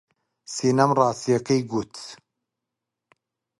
سینەم ڕاستییەکەی گوت.